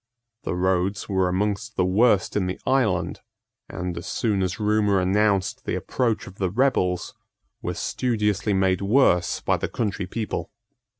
The roads were amongst the worst in the island, and, as soon as rumour announced the approach of the rebels, were studiously made worse by the country people.